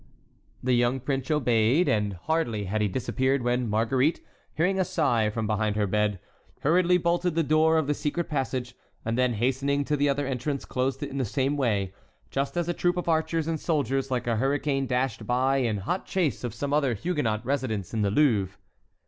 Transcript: The young prince obeyed; and hardly had he disappeared when Marguerite, hearing a sigh from behind her bed, hurriedly bolted the door of the secret passage, and then hastening to the other entrance closed it in the same way, just as a troop of archers and soldiers like a hurricane dashed by in hot chase of some other Huguenot residents in the Louvre.